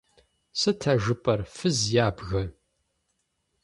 Сыт а жыпӀэр, фыз ябгэ?!